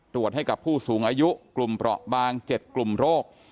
ตรวจให้กับผู้สูงอายุกลุ่มเปราะบาง๗กลุ่มโรค